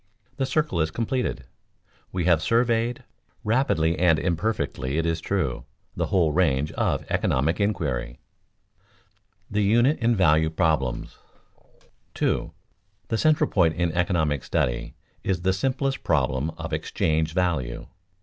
The circle is completed. We have surveyed, rapidly and imperfectly it is true, the whole range of economic inquiry. [Sidenote: The unit in value problems] _2. The central point in economic study is the simplest problem of exchange value.